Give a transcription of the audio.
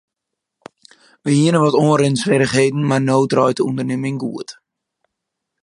Wy hiene wat oanrinswierrichheden mar no draait de ûndernimming goed.